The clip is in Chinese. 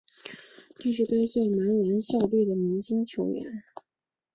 他是该校男篮校队的明星球员。